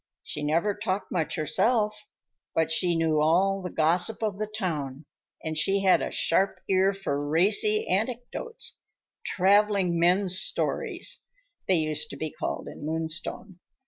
She never talked much herself, but she knew all the gossip of the town and she had a sharp ear for racy anecdotes—"traveling men's stories," they used to be called in Moonstone.